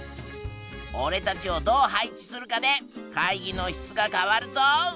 おれたちをどう配置するかで会議の質が変わるぞ！